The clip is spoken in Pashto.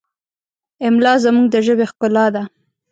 املا زموږ د ژبې ښکلا ده.